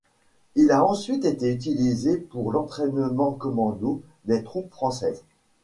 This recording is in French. Il a ensuite été utilisé pour l’entraînement commando des troupes françaises.